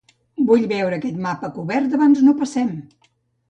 Vull veure aquest mapa cobert abans no passem!